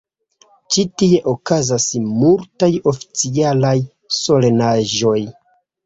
Ĉi tie okazas multaj oficialaj solenaĵoj.